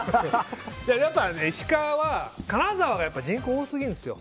やっぱ石川は金沢が人口が多すぎるんですよ。